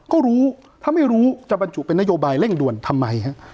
ก็รู้ถ้าไม่รู้จะบรรจุเป็นนโยบายเร่งด่วนทำไมฮะ